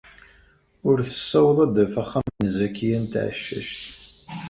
Ur tessaweḍ ad d-taf axxam n Zakiya n Tɛeccact.